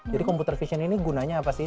jadi computer vision ini gunanya apa sih